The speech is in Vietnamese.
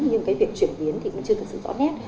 nhưng cái việc chuyển biến thì cũng chưa thực sự rõ nét